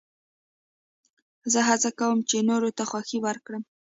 زه هڅه کوم، چي نورو ته خوښي ورکم.